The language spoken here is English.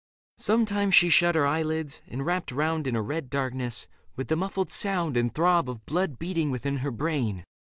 Sometimes she shut her eyelids, and wrapped round In a red darkness, with the mufHed sound And throb of blood beating within her brain.